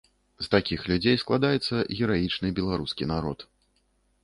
З такіх людзей складаецца гераічны беларускі народ.